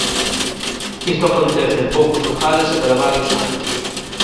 Isto acontece en poucos lugares e cada varios anos.